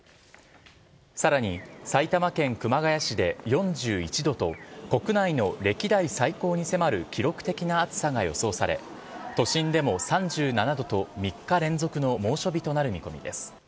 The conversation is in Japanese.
さらに埼玉県熊谷市で４１度と、国内の歴代最高に迫る記録的な暑さが予想され、都心でも３７度と、３日連続の猛暑日となる見込みです。